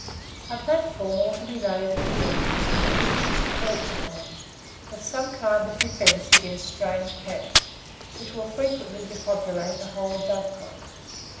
A platform ought to be laid at the entrance for the pigeons to perch upon, with some kind of defence against strange cats, which will frequently depopulate a whole dovecot.